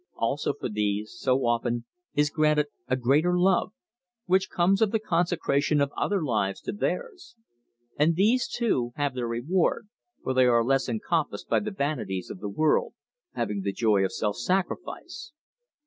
Also for these, so often, is granted a greater love, which comes of the consecration of other lives to theirs. And these too have their reward, for they are less encompassed by the vanities of the world, having the joy of self sacrifice.